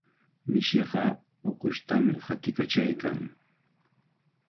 Mishiqa ukushtami qatiykachaykan.